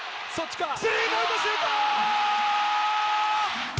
スリーポイントシュート！